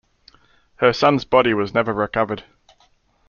Her son's body was never recovered.